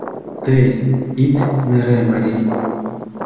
Тый ит нере, марий